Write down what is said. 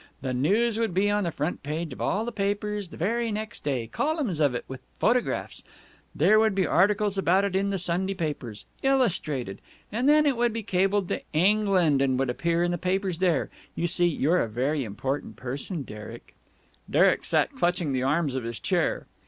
The news would be on the front page of all the papers the very next day columns of it, with photographs. There would be articles about it in the Sunday papers. Illustrated! And then it would be cabled to England and would appear in the papers there.... You see, you're a very important person, Derek." Derek sat clutching the arms of his chair.